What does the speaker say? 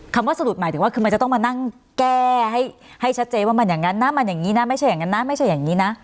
คำว่าสะดุดหมายถึงว่าคือมันจะต้องมานั่งแก้ให้ชัดเจนว่ามันอย่างนั้นนะมันอย่างนี้นะไม่ใช่อย่างนั้นนะไม่ใช่อย่างนี้นะ